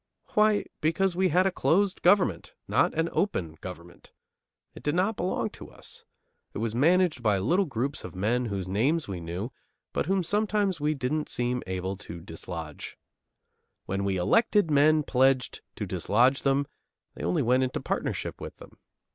Why, because we had a closed government; not an open government. It did not belong to us. It was managed by little groups of men whose names we knew, but whom somehow we didn't seem able to dislodge. When we elected men pledged to dislodge them, they only went into partnership with them.